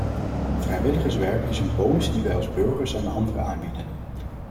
Vrijwilligerswerk is een bonus die wij als burgers aan anderen aanbieden.